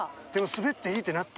滑っていいってなった。